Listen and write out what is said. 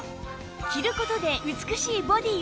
着る事で美しいボディーをメイク